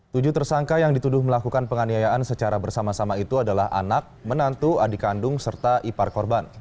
tujuh tersangka yang dituduh melakukan penganiayaan secara bersama sama itu adalah anak menantu adik kandung serta ipar korban